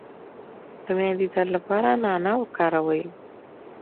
د معدې درد لپاره نعناع وکاروئ